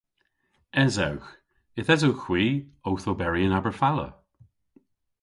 Esewgh. Yth esewgh hwi owth oberi yn Aberfala.